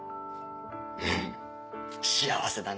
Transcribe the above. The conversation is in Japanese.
うん幸せだね。